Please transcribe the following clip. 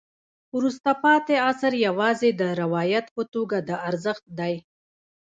وروسته پاتې عصر یوازې د روایت په توګه د ارزښت دی.